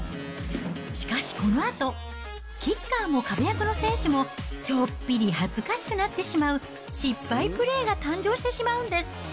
しかしこのあと、キッカーも壁役の選手も、ちょっぴり恥ずかしくなってしまう失敗プレーが誕生してしまうんです。